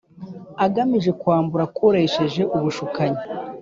agamije kwambura akoresheje ubushukanyi